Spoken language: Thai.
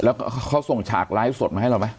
แล้วเขาส่งฉากไลฟ์สดมาให้เราไหม